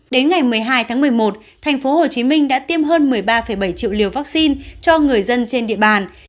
đến ngày một mươi hai tháng một mươi một tp hcm đã tiêm hơn một mươi ba bảy triệu liều vaccine cho người dân trên địa bàn